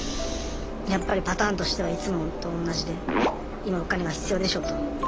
やっぱりパターンとしてはいつもと同じで今お金が必要でしょと。